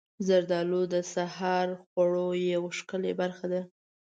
زردالو د سحر خوړو یوه ښکلې برخه ده.